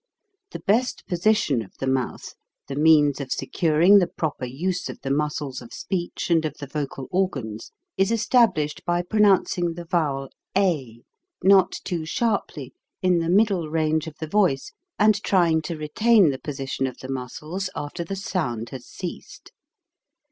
The best position of the mouth, the means of securing the proper use of the muscles of speech and of the vocal organs, is established by pronouncing the vowel a, not too sharply, in the middle range of the voice, and trying to retain the position of the muscles after the sound has ceased.